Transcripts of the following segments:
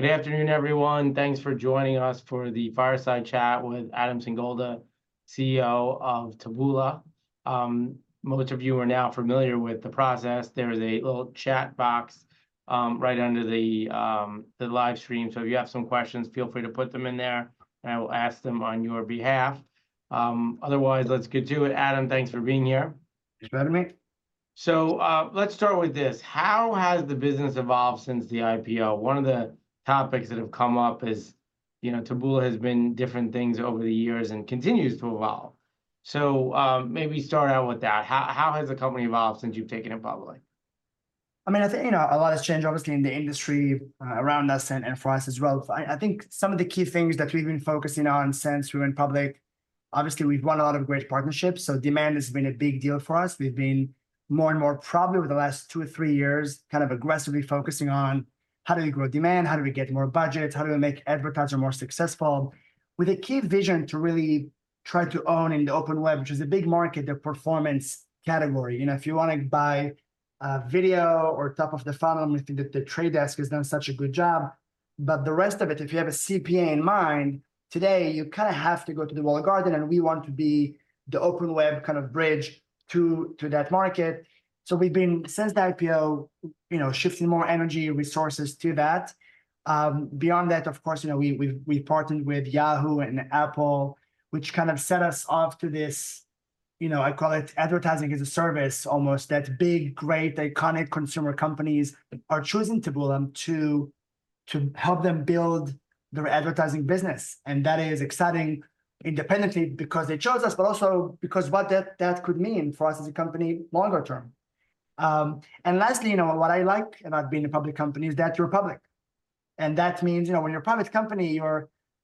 Good afternoon, everyone. Thanks for joining us for the Fireside Chat with Adam Singolda, CEO of Taboola. Most of you are now familiar with the process. There is a little chat box right under the live stream, so if you have some questions, feel free to put them in there, and I will ask them on your behalf. Otherwise, let's get to it. Adam, thanks for being here. You bet, Amit. So, let's start with this: How has the business evolved since the IPO? One of the topics that have come up is, you know, Taboola has been different things over the years and continues to evolve. So, maybe start out with that. How has the company evolved since you've taken it public? I mean, I think, you know, a lot has changed, obviously, in the industry around us, and, and for us as well. I, I think some of the key things that we've been focusing on since we went public, obviously we've won a lot of great partnerships, so demand has been a big deal for us. We've been more and more, probably over the last two or three years, kind of aggressively focusing on how do we grow demand? How do we get more budget? How do we make advertiser more successful? With a key vision to really try to own in the open web, which is a big market, the performance category. You know, if you wanna buy video or top of the funnel, and I think that The Trade Desk has done such a good job, but the rest of it. If you have a CPA in mind, today you kind of have to go to the walled garden, and we want to be the open web kind of bridge to that market. So we've been, since the IPO, you know, shifting more energy and resources to that. Beyond that, of course, you know, we've partnered with Yahoo and Apple, which kind of set us off to this, you know, I call it advertising as a service, almost, that big, great, iconic consumer companies are choosing Taboola to help them build their advertising business. And that is exciting independently because they chose us, but also because what that could mean for us as a company longer term. And lastly, you know, what I like about being a public company is that you're public, and that means, you know, when you're a private company,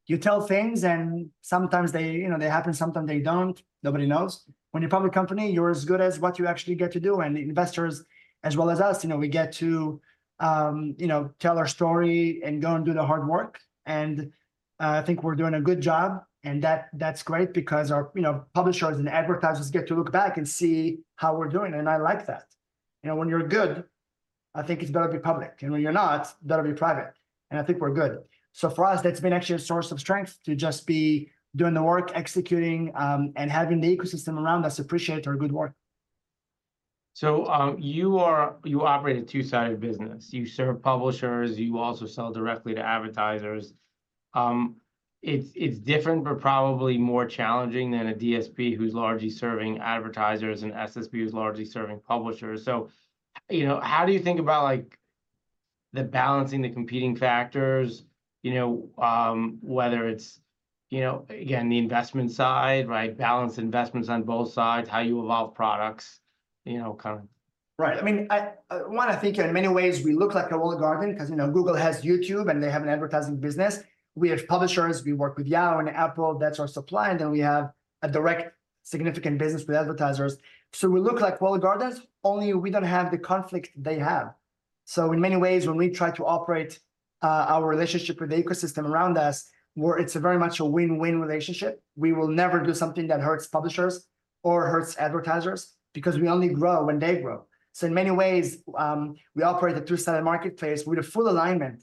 you tell things and sometimes they, you know, they happen, sometimes they don't. Nobody knows. When you're a public company, you're as good as what you actually get to do, and investors, as well as us, you know, we get to, you know, tell our story and go and do the hard work. And, I think we're doing a good job, and that, that's great because our, you know, publishers and advertisers get to look back and see how we're doing, and I like that. You know, when you're good, I think it's better to be public. And when you're not, better to be private, and I think we're good. So for us, that's been actually a source of strength, to just be doing the work, executing, and having the ecosystem around us appreciate our good work. So, you operate a two-sided business. You serve publishers, you also sell directly to advertisers. It's different, but probably more challenging than a DSP who's largely serving advertisers and SSP who's largely serving publishers. So, you know, how do you think about, like, the balancing the competing factors, you know, whether it's, you know, again, the investment side, right? Balance investments on both sides, how you evolve products, you know, kind of? Right. I mean, I wanna think in many ways we look like a walled garden, 'cause, you know, Google has YouTube, and they have an advertising business. We have publishers, we work with Yahoo and Apple, that's our supply, and then we have a direct significant business with advertisers. So we look like walled gardens, only we don't have the conflict they have. So in many ways, when we try to operate, our relationship with the ecosystem around us, it's a very much a win-win relationship. We will never do something that hurts publishers or hurts advertisers, because we only grow when they grow. So in many ways, we operate a two-sided marketplace with a full alignment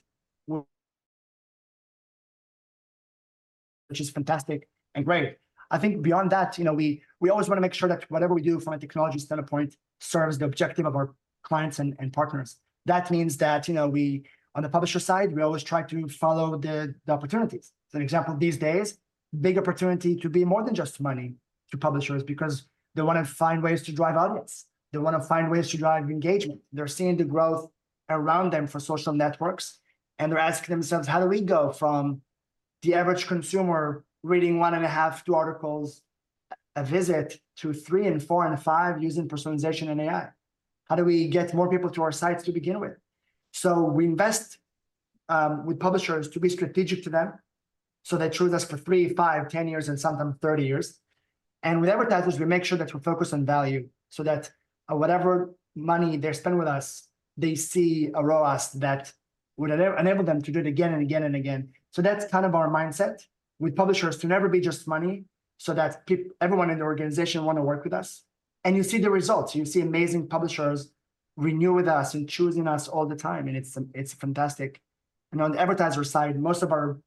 which is fantastic and great. I think beyond that, you know, we always wanna make sure that whatever we do from a technology standpoint serves the objective of our clients and partners. That means that, you know, we, on the publisher side, we always try to follow the opportunities. As an example, these days, big opportunity to be more than just money to publishers, because they wanna find ways to drive audience. They wanna find ways to drive engagement. They're seeing the growth around them for social networks, and they're asking themselves: How do we go from the average consumer reading 1.5, 2 articles a visit, to 3, 4, and 5, using personalization and AI? How do we get more people to our sites to begin with? So we invest with publishers to be strategic to them, so they choose us for three, five, 10 years, and sometimes 30 years. And with advertisers, we make sure that we're focused on value, so that whatever money they spend with us, they see a ROAS that would enable them to do it again and again and again. So that's kind of our mindset with publishers, to never be just money, so that everyone in the organization wanna work with us. And you see the results. You see amazing publishers renew with us and choosing us all the time, and it's fantastic. And on the advertiser side, most of our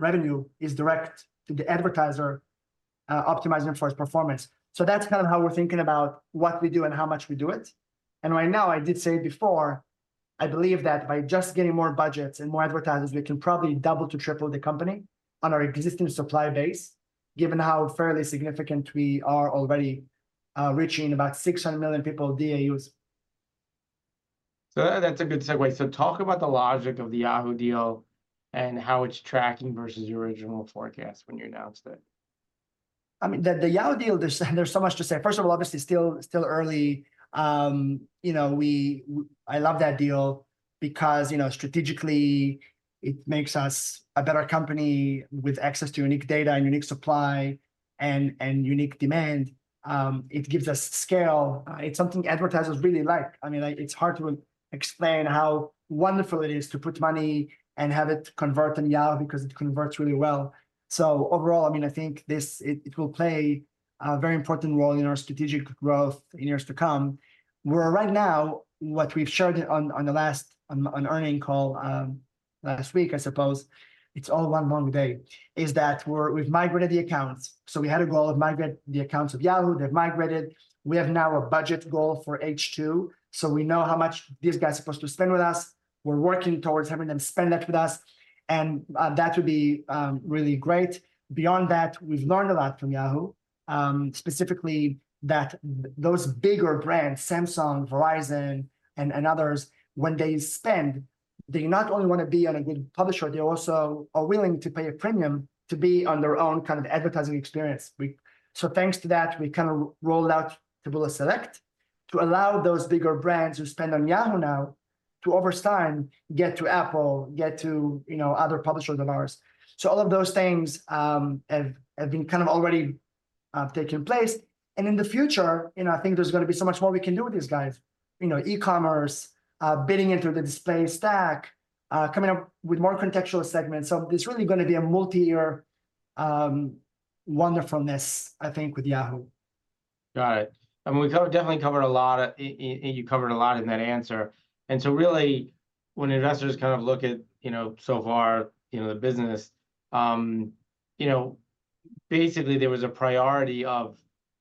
revenue is direct to the advertiser, optimizing for its performance. So that's kind of how we're thinking about what we do and how much we do it. Right now, I did say before, I believe that by just getting more budgets and more advertisers, we can probably double to triple the company on our existing supply base, given how fairly significant we are already, reaching about 600 million people DAUs. That's a good segue. Talk about the logic of the Yahoo deal and how it's tracking versus your original forecast when you announced it. I mean, the Yahoo deal, there's so much to say. First of all, obviously still early. You know, I love that deal because, you know, strategically, it makes us a better company with access to unique data and unique supply and unique demand. It gives us scale. It's something advertisers really like. I mean, like, it's hard to explain how wonderful it is to put money and have it convert on Yahoo, because it converts really well. So overall, I mean, I think this, it, it will play a very important role in our strategic growth in years to come. Right now, what we've showed on the last earnings call last week, I suppose, it's all one long day, is that we've migrated the accounts. So we had a goal of migrate the accounts of Yahoo. They've migrated. We have now a budget goal for H2, so we know how much these guys are supposed to spend with us. We're working towards having them spend that with us, and that would be really great. Beyond that, we've learned a lot from Yahoo. Specifically, that those bigger brands, Samsung, Verizon, and others, when they spend, they not only wanna be on a good publisher, they also are willing to pay a premium to be on their own kind of advertising experience. So thanks to that, we kind of rolled out Taboola Select to allow those bigger brands who spend on Yahoo now to, over time, get to Apple, get to, you know, other publishers of ours. So all of those things have been kind of already taken place, and in the future, you know, I think there's gonna be so much more we can do with these guys. You know, e-commerce, bidding into the display stack, coming up with more contextual segments. So there's really gonna be a multi-year wonderfulness, I think, with Yahoo! Got it. And we definitely covered a lot, and you covered a lot in that answer, and so, really, when investors kind of look at, you know, so far, you know, the business, you know, basically there was a priority of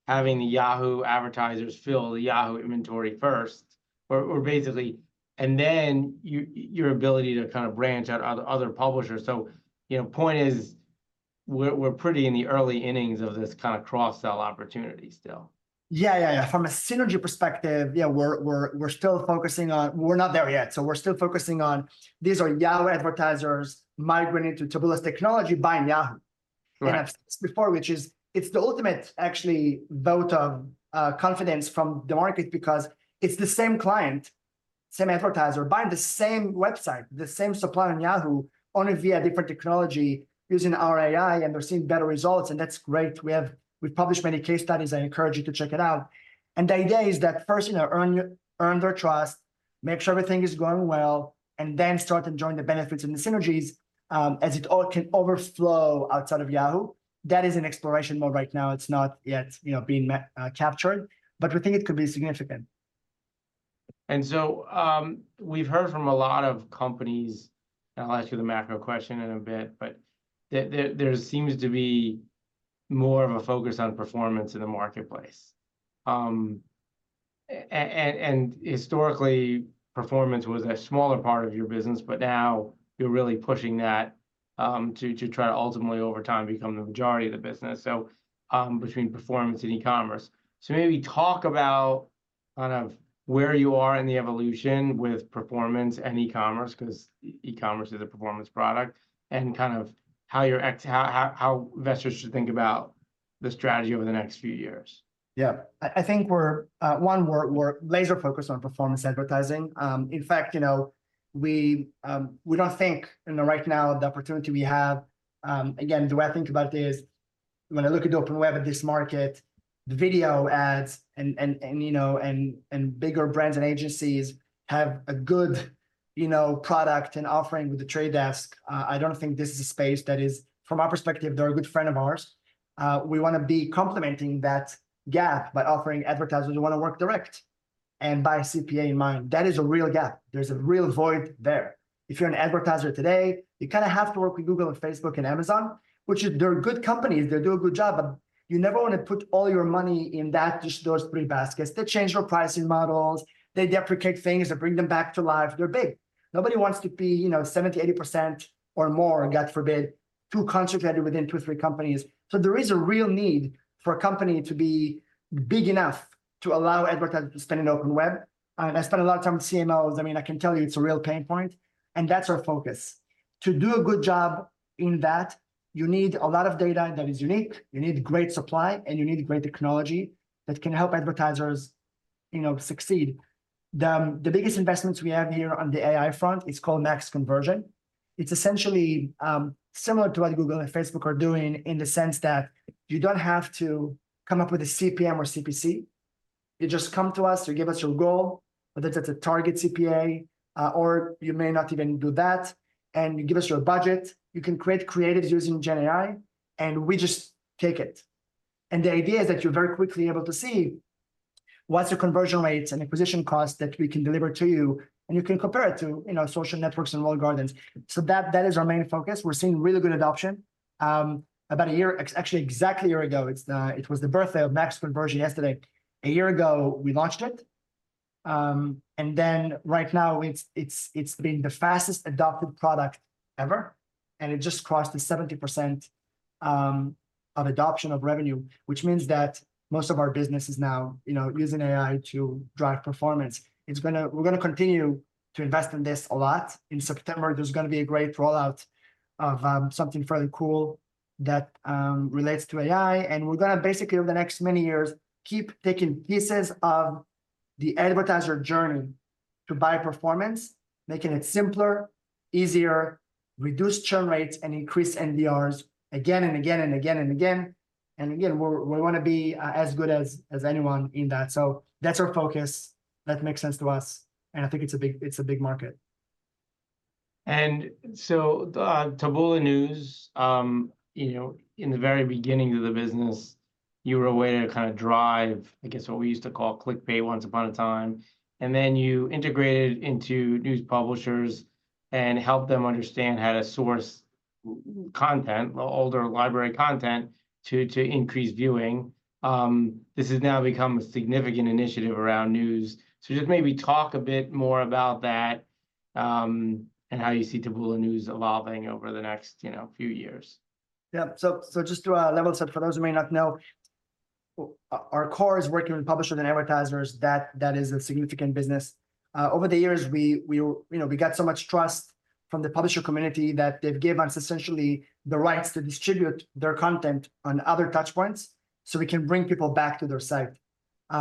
having the Yahoo! advertisers fill the Yahoo! inventory first, or, or basically. And then your ability to kind of branch out to other publishers. So, you know, point is, we're, we're pretty in the early innings of this kind of cross-sell opportunity still. Yeah, yeah, yeah. From a synergy perspective, yeah, we're still focusing on, we're not there yet, so we're still focusing on these are Yahoo! advertisers migrating to Taboola's technology, buying Yahoo! Right. I've said this before, which is, it's the ultimate, actually, vote of confidence from the market because it's the same client, same advertiser buying the same website, the same supply on Yahoo, only via different technology, using our AI, and they're seeing better results, and that's great. We've published many case studies. I encourage you to check it out. The idea is that first, you know, earn their trust, make sure everything is going well, and then start enjoying the benefits and the synergies, as it all can overflow outside of Yahoo. That is in exploration mode right now. It's not yet, you know, being captured, but we think it could be significant. And so, we've heard from a lot of companies, and I'll ask you the macro question in a bit, but there seems to be more of a focus on performance in the marketplace. And historically, performance was a smaller part of your business, but now you're really pushing that, to try to ultimately, over time, become the majority of the business, so between performance and e-commerce. So maybe talk about kind of where you are in the evolution with performance and e-commerce, 'cause e-commerce is a performance product, and kind of how investors should think about the strategy over the next few years. Yeah. I think we're laser focused on performance advertising. In fact, you know, we don't think, you know, right now, the opportunity we have, again, the way I think about this, when I look at the open web at this market, the video ads, and bigger brands and agencies have a good, you know, product and offering with The Trade Desk. I don't think this is a space that is, from our perspective, they're a good friend of ours, we wanna be complementing that gap by offering advertisers who wanna work direct and by CPA in mind. That is a real gap. There's a real void there. If you're an advertiser today, you kinda have to work with Google and Facebook and Amazon, which they're good companies, they do a good job, but you never wanna put all your money in that, just those three baskets. They change their pricing models. They deprecate things and bring them back to life. They're big. Nobody wants to be, you know, 70%-80% or more, God forbid, too concentrated within two, three companies. So there is a real need for a company to be big enough to allow advertisers to spend in open web, and I spend a lot of time with CMOs. I mean, I can tell you, it's a real pain point, and that's our focus. To do a good job in that, you need a lot of data that is unique, you need great supply, and you need great technology that can help advertisers, you know, succeed. The biggest investments we have here on the AI front is called Max Conversion. It's essentially similar to what Google and Facebook are doing in the sense that you don't have to come up with a CPM or CPC. You just come to us, you give us your goal, whether that's a target CPA, or you may not even do that, and you give us your budget. You can create creatives using GenAI, and we just take it. And the idea is that you're very quickly able to see what's your conversion rates and acquisition costs that we can deliver to you, and you can compare it to, you know, social networks and walled gardens. So that is our main focus. We're seeing really good adoption. About a year, actually, exactly a year ago, it was the birthday of Max Conversion yesterday. A year ago, we launched it, and then right now it's been the fastest adopted product ever, and it just crossed the 70% of adoption of revenue, which means that most of our business is now, you know, using AI to drive performance. We're gonna continue to invest in this a lot. In September, there's gonna be a great rollout of something fairly cool that relates to AI, and we're gonna basically, over the next many years, keep taking pieces of the advertiser journey to buy performance, making it simpler, easier, reduce churn rates, and increase NDRs again and again and again and again. And again, we're, we wanna be as good as anyone in that. So that's our focus. That makes sense to us, and I think it's a big, it's a big market. And so, Taboola News, you know, in the very beginning of the business, you were a way to kind of drive, I guess, what we used to call clickbait once upon a time, and then you integrated into news publishers and helped them understand how to source content, older library content, to increase viewing. This has now become a significant initiative around news. So just maybe talk a bit more about that, and how you see Taboola News evolving over the next, you know, few years. Yeah. So just to level set for those who may not know, our core is working with publishers and advertisers, that is a significant business. Over the years, you know, we got so much trust from the publisher community that they've gave us essentially the rights to distribute their content on other touchpoints so we can bring people back to their site.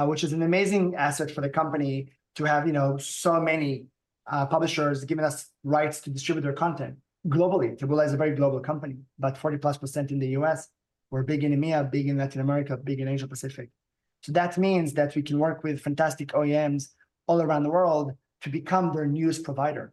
Which is an amazing asset for the company to have, you know, so many publishers giving us rights to distribute their content globally. Taboola is a very global company, about 40%+ in the U.S. We're big in EMEA, big in Latin America, big in Asia-Pacific. So that means that we can work with fantastic OEMs all around the world to become their news provider.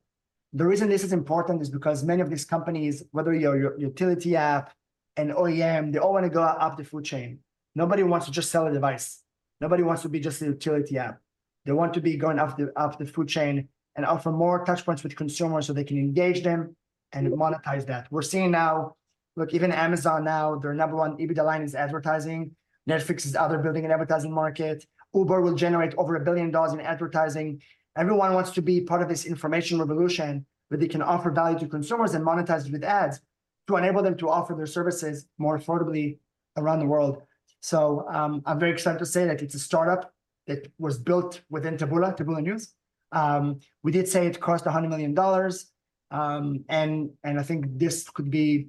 The reason this is important is because many of these companies, whether you're a utility app, an OEM, they all wanna go up the food chain. Nobody wants to just sell a device. Nobody wants to be just a utility app. They want to be going up the, up the food chain and offer more touchpoints with consumers so they can engage them and monetize that. We're seeing now, look, even Amazon now, their number one EBITDA line is advertising. Netflix is out there building an advertising market. Uber will generate over $1 billion in advertising. Everyone wants to be part of this information revolution, where they can offer value to consumers and monetize it with ads, to enable them to offer their services more affordably around the world. So, I'm very excited to say that it's a startup that was built within Taboola, Taboola News. We did say it cost $100 million, and I think this could be,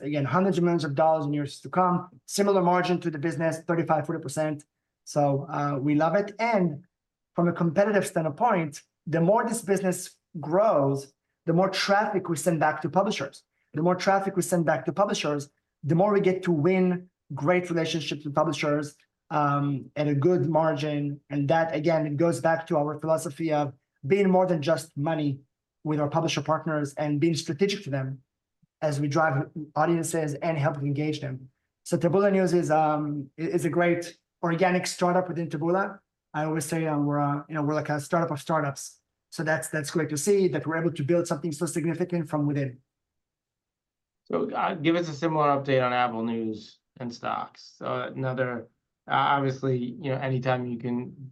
again, hundreds of millions in years to come. Similar margin to the business, 35%-40%, so we love it. And from a competitive standpoint, the more this business grows, the more traffic we send back to publishers. The more traffic we send back to publishers, the more we get to win great relationships with publishers at a good margin. And that, again, goes back to our philosophy of being more than just money with our publisher partners and being strategic to them as we drive audiences and help engage them. So Taboola News is a great organic startup within Taboola. I always say, you know, we're like a startup of startups. That's great to see that we're able to build something so significant from within. So, give us a similar update on Apple News and Stocks. Another, obviously, you know, anytime you can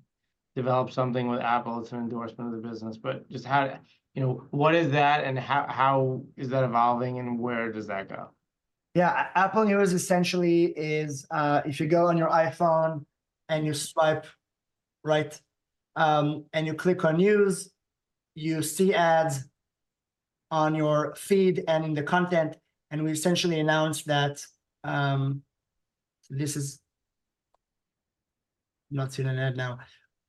develop something with Apple, it's an endorsement of the business. But just how, you know, what is that, and how, how is that evolving, and where does that go? Yeah, Apple News essentially is, if you go on your iPhone and you swipe right, and you click on News, you see ads on your feed and in the content, and we essentially announced that this is not seeing an ad now.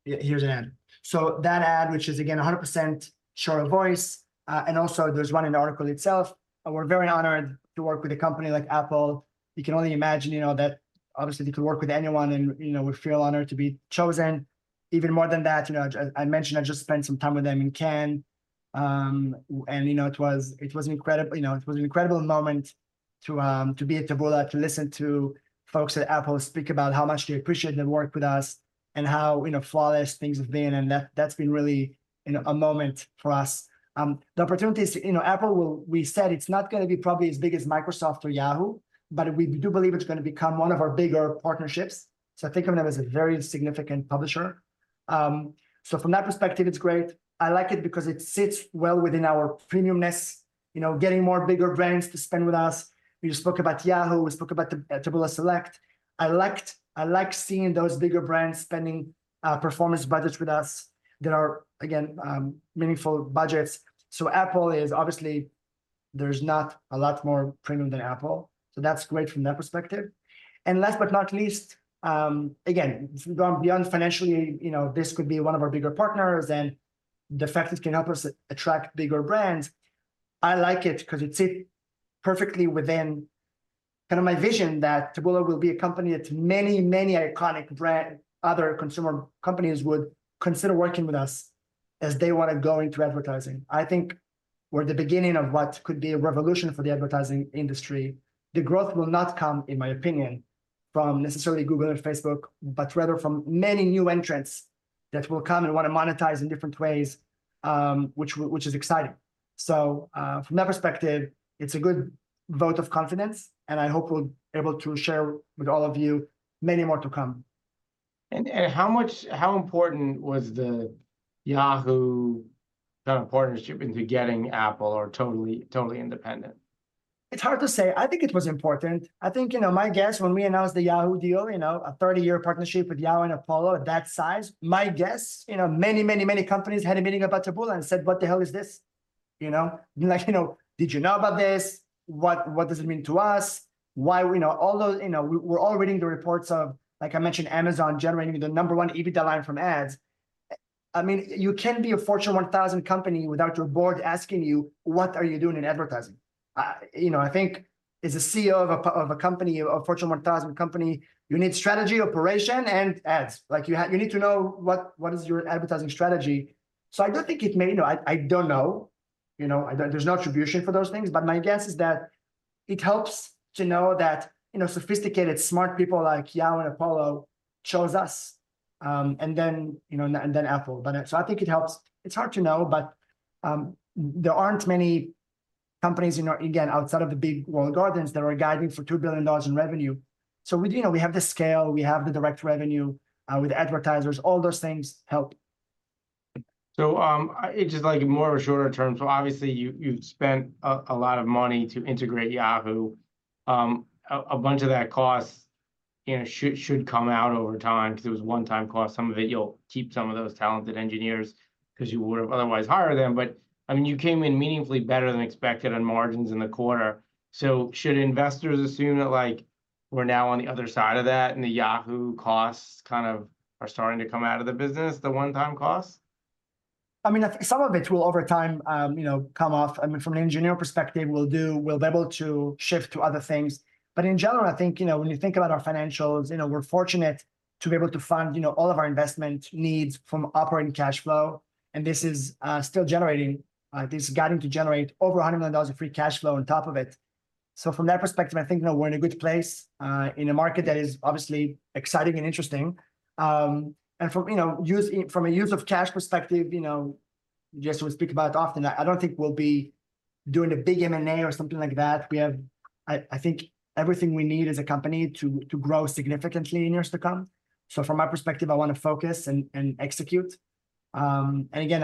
Yeah, here's an ad. So that ad, which is again, 100% share of voice, and also there's one in the article itself, and we're very honored to work with a company like Apple. You can only imagine, you know, that obviously they could work with anyone, and, you know, we feel honored to be chosen. Even more than that, you know, I mentioned I just spent some time with them in Cannes. You know, it was an incredible moment to be at Taboola, to listen to folks at Apple speak about how much they appreciate their work with us, and how, you know, flawless things have been, and that's been really, you know, a moment for us. The opportunities, you know, Apple, we said it's not gonna be probably as big as Microsoft or Yahoo, but we do believe it's gonna become one of our bigger partnerships, so I think of them as a very significant publisher. So from that perspective, it's great. I like it because it sits well within our premium-ness. You know, getting more bigger brands to spend with us. We just spoke about Yahoo, we spoke about Taboola Select. I liked, I like seeing those bigger brands spending performance budgets with us, that are, again, meaningful budgets. So Apple is obviously there's not a lot more premium than Apple, so that's great from that perspective. And last but not least, again, going beyond financially, you know, this could be one of our bigger partners, and the fact that it can help us attract bigger brands, I like it 'cause it fit perfectly within kind of my vision that Taboola will be a company that many, many iconic brands, other consumer companies would consider working with us as they wanna go into advertising. I think we're at the beginning of what could be a revolution for the advertising industry. The growth will not come, in my opinion, from necessarily Google and Facebook, but rather from many new entrants that will come and wanna monetize in different ways, which is exciting. So, from that perspective, it's a good vote of confidence, and I hope we're able to share with all of you many more to come. How important was the Yahoo kind of partnership into getting Apple, or totally, totally independent? It's hard to say. I think it was important. I think, you know, my guess, when we announced the Yahoo! deal, you know, a 30-year partnership with Yahoo! and Apollo at that size, my guess, you know, many, many, many companies had a meeting about Taboola and said, "What the hell is this?" You know? Like, you know, "Did you know about this? What, what does it mean to us? Why" You know, all those you know, we're all reading the reports of, like I mentioned, Amazon generating the number one EBITDA line from ads. I mean, you can't be a Fortune 1000 company without your board asking you, "What are you doing in advertising?" You know, I think as a CEO of a of a company, a Fortune 1000 company, you need strategy, operation, and ads. Like, you need to know what, what is your advertising strategy. So I do think it may you know, I don't know you know, I, there's no attribution for those things, but my guess is that it helps to know that, you know, sophisticated, smart people like Yahoo and Apollo chose us, and then, you know, and then Apple. But so I think it helps. It's hard to know, but, there aren't many companies, you know, again, outside of the big walled gardens that are guiding for $2 billion in revenue. So we, you know, we have the scale, we have the direct revenue, with advertisers, all those things help. Just like more of a shorter term. So obviously you've spent a lot of money to integrate Yahoo. A bunch of that cost, you know, should come out over time, 'cause it was one-time cost. Some of it, you'll keep some of those talented engineers, 'cause you wouldn't otherwise hire them. But, I mean, you came in meaningfully better than expected on margins in the quarter. So should investors assume that, like, we're now on the other side of that and the Yahoo costs kind of are starting to come out of the business, the one-time costs? I mean, some of it will over time, you know, come off. I mean, from an engineering perspective, we'll do. We'll be able to shift to other things. But in general, I think, you know, when you think about our financials, you know, we're fortunate to be able to fund, you know, all of our investment needs from operating cash flow, and this is still generating, this is guiding to generate over $100 million of free cash flow on top of it. So from that perspective, I think, you know, we're in a good place, in a market that is obviously exciting and interesting. And from, you know, from a use of cash perspective, you know, just we speak about it often, I don't think we'll be doing a big M&A or something like that. We have, I think, everything we need as a company to grow significantly in years to come. So from my perspective, I wanna focus and execute. And again,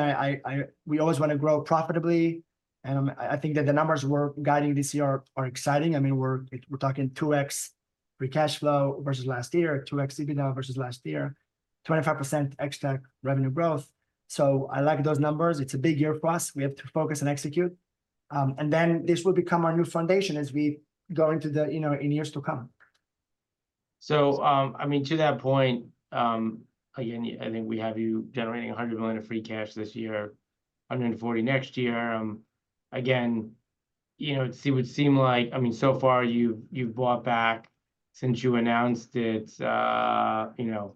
we always wanna grow profitably, and I think that the numbers we're guiding this year are exciting. I mean, we're talking 2x free cash flow versus last year, 2x EBITDA versus last year, 25% extra revenue growth. So I like those numbers. It's a big year for us. We have to focus and execute. And then this will become our new foundation as we go into the, you know, in years to come. So, I mean, to that point, again, I think we have you generating $100 million of free cash this year, $140 million next year. Again, you know, would seem like, I mean, so far you've bought back, since you announced it, you know,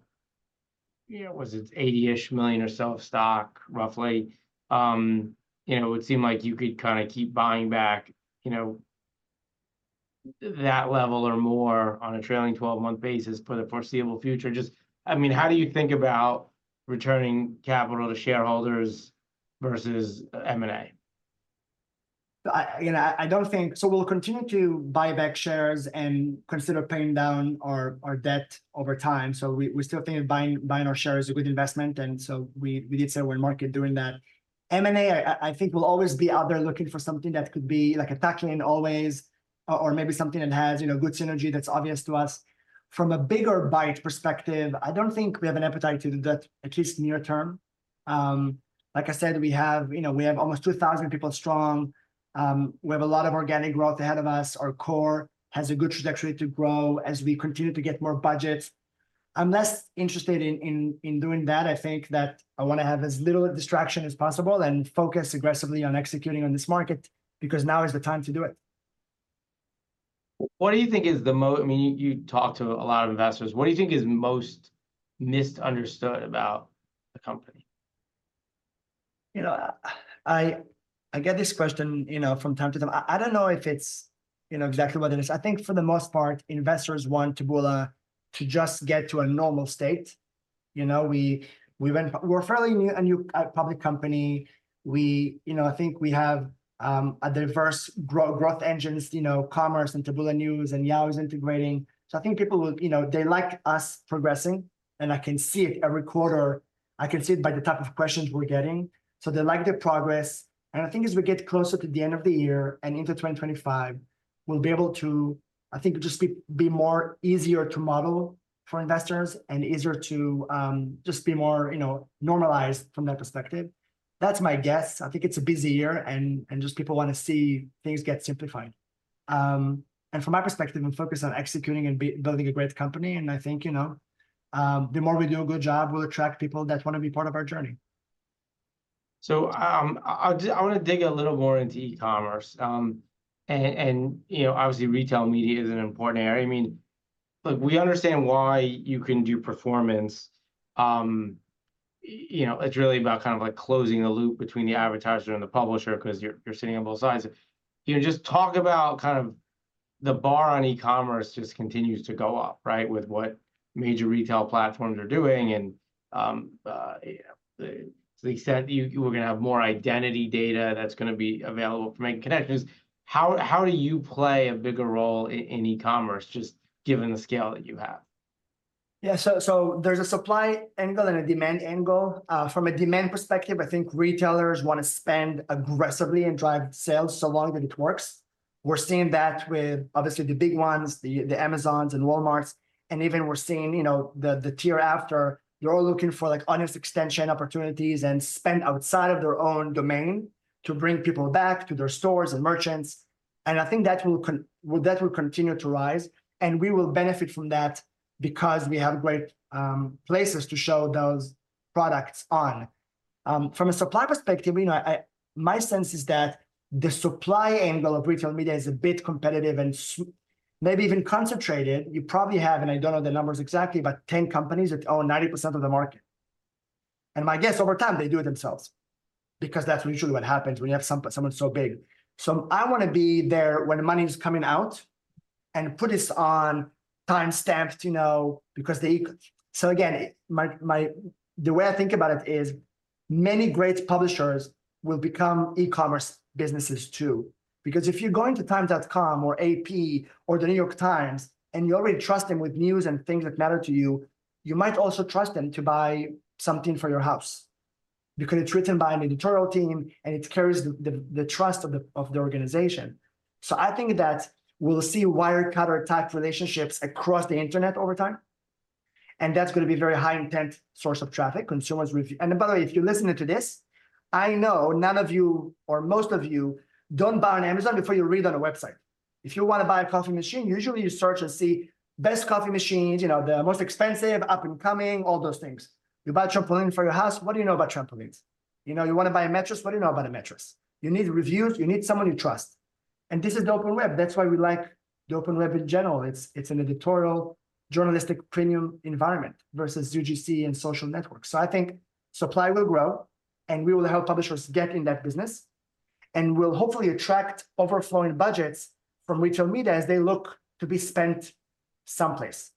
yeah, was it's $80-ish million or so of stock, roughly. You know, it would seem like you could kinda keep buying back, you know, that level or more on a trailing 12 month basis for the foreseeable future. Just, I mean, how do you think about returning capital to shareholders versus M&A? You know, I don't think, so we'll continue to buy back shares and consider paying down our debt over time. So we still think buying our shares is a good investment, and so we did so in market during that. M&A, I think we'll always be out there looking for something that could be, like, a tagline always, or maybe something that has, you know, good synergy that's obvious to us. From a bigger bite perspective, I don't think we have an appetite to do that, at least near-term. Like I said, we have, you know, we have almost 2,000 people strong. We have a lot of organic growth ahead of us. Our core has a good trajectory to grow as we continue to get more budgets. I'm less interested in doing that. I think that I wanna have as little distraction as possible and focus aggressively on executing on this market, because now is the time to do it. What do you think is the, I mean, you talk to a lot of investors. What do you think is most misunderstood about the company? You know, I get this question, you know, from time to time. I don't know if it's, you know, exactly what it is. I think for the most part, investors want Taboola to just get to a normal state. You know, we're a fairly new public company. We, you know, I think we have a diverse growth engines, you know, commerce and Taboola News and Yahoo is integrating. So I think people will, you know, they like us progressing, and I can see it every quarter. I can see it by the type of questions we're getting. So they like the progress, and I think as we get closer to the end of the year and into 2025, we'll be able to, I think, just be more easier to model for investors and easier to just be more, you know, normalized from that perspective. That's my guess. I think it's a busy year, and just people wanna see things get simplified. And from my perspective, I'm focused on executing and building a great company, and I think, you know, the more we do a good job, we'll attract people that wanna be part of our journey. So, I wanna dig a little more into e-commerce. And, you know, obviously, retail media is an important area. I mean, look, we understand why you can do performance. You know, it's really about kind of like closing the loop between the advertiser and the publisher, 'cause you're sitting on both sides. You know, just talk about kind of the bar on e-commerce just continues to go up, right? With what major retail platforms are doing and, they said you, we're gonna have more identity data that's gonna be available for making connections. How do you play a bigger role in e-commerce, just given the scale that you have? Yeah, so, so there's a supply angle and a demand angle. From a demand perspective, I think retailers wanna spend aggressively and drive sales, so long as it works. We're seeing that with, obviously, the big ones, the, the Amazons and Walmarts, and even we're seeing, you know, the, the tier after. They're all looking for, like, audience extension opportunities and spend outside of their own domain to bring people back to their stores and merchants, and I think that will continue to rise, and we will benefit from that, because we have great places to show those products on. From a supply perspective, you know, I, my sense is that the supply angle of retail media is a bit competitive. Maybe even concentrated, you probably have, and I don't know the numbers exactly, about 10 companies that own 90% of the market. And my guess, over time, they do it themselves, because that's usually what happens when you have someone so big. So I wanna be there when the money's coming out, and put this on timestamps to know, because they- so again, my. The way I think about it is many great publishers will become e-commerce businesses, too. Because if you're going to Time.com or AP or The New York Times, and you already trust them with news and things that matter to you, you might also trust them to buy something for your house. Because it's written by an editorial team, and it carries the trust of the organization. So I think that we'll see Wirecutter-type relationships across the internet over time, and that's gonna be a very high intent source of traffic, consumers re- And by the way, if you're listening to this, I know none of you or most of you don't buy on Amazon before you read on a website. If you wanna buy a coffee machine, usually you search and see best coffee machines, you know, the most expensive, up-and-coming, all those things. You buy a trampoline for your house, what do you know about trampolines? You know, you wanna buy a mattress, what do you know about a mattress? You need reviews, you need someone you trust. And this is the open web. That's why we like the open web in general. It's, it's an editorial, journalistic, premium environment versus UGC and social networks. I think supply will grow, and we will help publishers get in that business, and we'll hopefully attract overflowing budgets from retail media as they look to be spent someplace.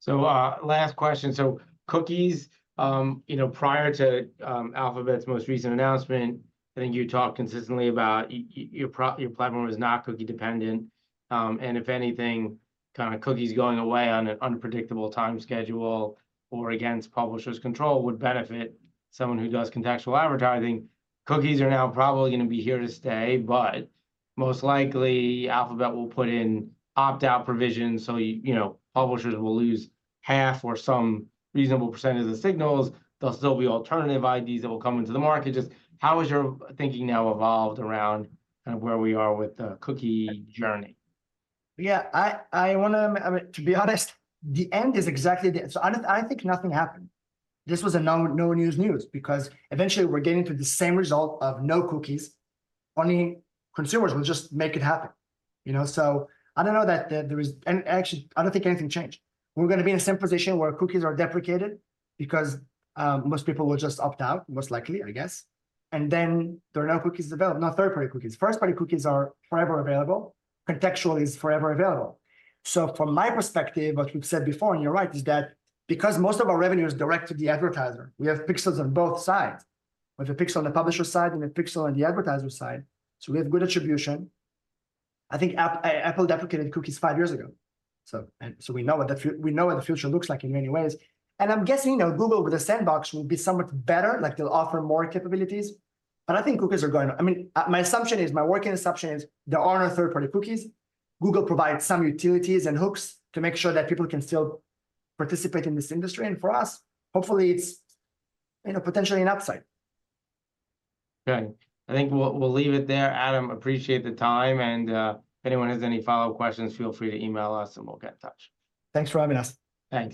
So, last question. So cookies, you know, prior to Alphabet's most recent announcement, I think you talked consistently about your platform was not cookie dependent. And if anything, kind of cookies going away on an unpredictable time schedule or against publishers' control would benefit someone who does contextual advertising. Cookies are now probably gonna be here to stay, but most likely, Alphabet will put in opt-out provisions, so, you know, publishers will lose half or some reasonable percentage of the signals. There'll still be alternative IDs that will come into the market. Just how has your thinking now evolved around kind of where we are with the cookie journey? Yeah, I wanna. I mean, to be honest, the end is exactly. So I think nothing happened. This was a no, no news news, because eventually we're getting to the same result of no cookies, only consumers will just make it happen. You know? So I don't know that there is- and actually, I don't think anything changed. We're gonna be in the same position where cookies are deprecated because most people will just opt out, most likely, I guess. And then there are no cookies developed, no third-party cookies. First-party cookies are forever available, contextual is forever available. So from my perspective, what we've said before, and you're right, is that because most of our revenue is direct to the advertiser, we have pixels on both sides. We have a pixel on the publisher side and a pixel on the advertiser side, so we have good attribution. I think Apple deprecated cookies 5 years ago, so we know what the future looks like in many ways. And I'm guessing, you know, Google with the sandbox will be somewhat better, like they'll offer more capabilities, but I think cookies are going, I mean, my assumption is, my working assumption is there are no third-party cookies. Google provides some utilities and hooks to make sure that people can still participate in this industry, and for us, hopefully it's, you know, potentially an upside. Okay, I think we'll leave it there. Adam, appreciate the time, and anyone has any follow-up questions, feel free to email us and we'll get in touch. Thanks for having us. Thanks.